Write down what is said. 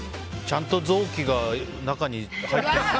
ちゃんと臓器が中に。